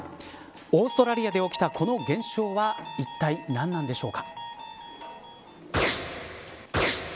オーストラリアで起きたこの現象はいったい何なんでしょうか。